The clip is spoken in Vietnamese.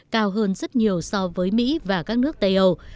cao hơn rất nhiều so với mỹ và các nước tây âu